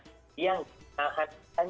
dia tidak mengingatkan perkataan suatu orang